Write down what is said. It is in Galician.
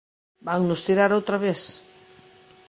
Vannos tirar outra vez!